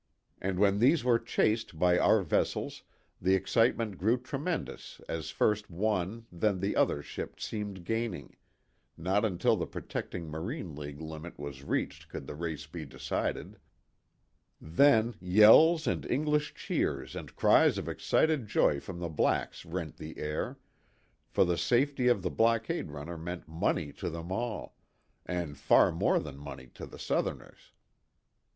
And when these were chased by our vessels the excitement grew tremendous as first one then the other ship seemed gaining not until the protecting " marine league " limit was reached could the race be decided then yells and English cheers and cries of excited joy from the blacks rent the air ; for the safety of the blockade runner meant money to them all, and far more than money to the Southerners.